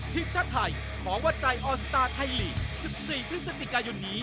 ทีมชาติไทยของวัดใจออนสตาร์ไทยลีก๑๔พฤศจิกายนนี้